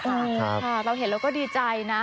ค่ะเราเห็นแล้วก็ดีใจนะ